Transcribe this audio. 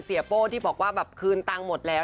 โป้ที่บอกว่าแบบคืนตังค์หมดแล้ว